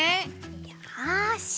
よし。